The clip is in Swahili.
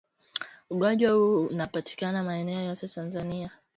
Ugonjwa huu unapatikana maeneo yote Tanzania